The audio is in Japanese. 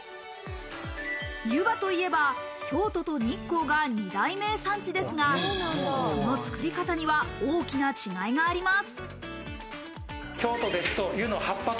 ゆばといえば、京都と日光が二大名産地ですが、その作り方には大きな違いがあります。